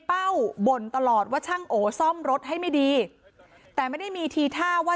เป้าบ่นตลอดว่าช่างโอซ่อมรถให้ไม่ดีแต่ไม่ได้มีทีท่าว่า